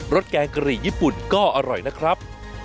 สแกงกะหรี่ญี่ปุ่นก็อร่อยนะครับ